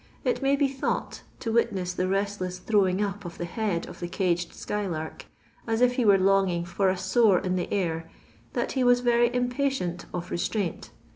It may be thought, to witness the restless throwing up of the head of the caged sky lark, as if he were longing for a soar in the air, that he was very impatient of restraint.